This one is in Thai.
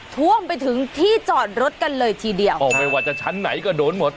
ท่วมไปถึงที่จอดรถกันเลยทีเดียวอ๋อไม่ว่าจะชั้นไหนก็โดนหมด